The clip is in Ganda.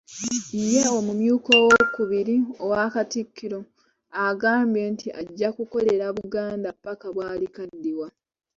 Ye Omumyuka owookubiri owa Katikkiro agambye nti ajja kukolera Buganda mpaka bwalikadiwa.